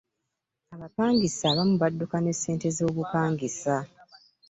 Abapangisa abamu badduka ne ssente z'obupangisa.